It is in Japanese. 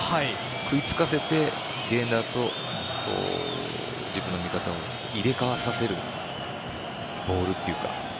食いつかせてディフェンダーと自分の味方を入れ替えさせるボールというか。